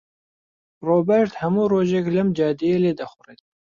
ڕۆبەرت هەموو ڕۆژێک لەم جادەیە لێدەخوڕێت.